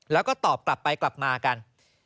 แล้วก็ตอบกลับไปกลับมากัน